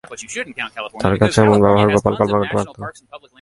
তার কাছে এমন ব্যবহার গোপাল কল্পনা করিতে পারিত না।